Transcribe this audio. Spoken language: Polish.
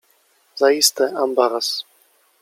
Zaiste ambaras.